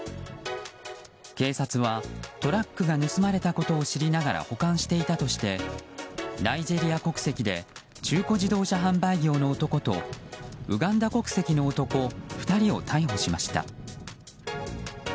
警察はトラックが盗まれたことを知りながら保管していたとしてナイジェリア国籍で中古自動車販売業の男とウガンダ国籍の男２人を逮捕しました。